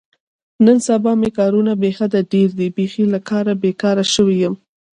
نن سبا مې کارونه بې حده ډېر دي، بیخي له کاره بېگاره شوی یم.